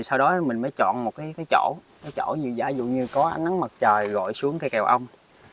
sau đó mình mới chọn một cái chỗ giả dụ như có ánh nắng mặt trời gọi xuống cây kèo ong